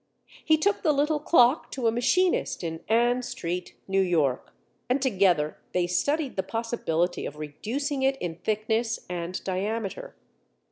He took the little clock to a machinist in Ann Street, New York, and together they studied the possibility of reducing it in thickness and diameter.